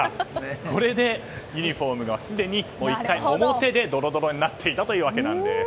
これでユニホームが、すでに１回表でドロドロになっていたと。